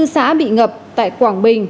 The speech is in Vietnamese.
năm mươi bốn xã bị ngập tại quảng bình